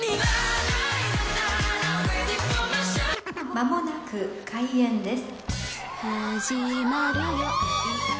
［まもなく開演です］